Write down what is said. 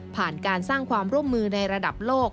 การสร้างความร่วมมือในระดับโลก